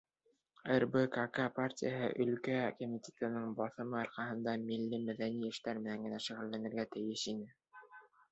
РБКК партия Өлкә комитетының баҫымы арҡаһында милли-мәҙәни эштәр менән генә шөғөлләнергә тейеш ине.